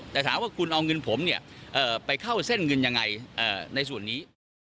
แต่ถามว่าคุณเอาเงินผมไปเข้าเส้นเงินยังไงในส่วนนี้